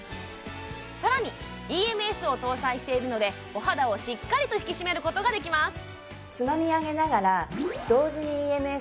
更にＥＭＳを搭載しているのでお肌をしっかりと引き締めることができます